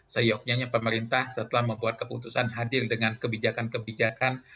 seyoknya pemerintah setelah membuat keputusan hadir dengan kebijakan kebijakan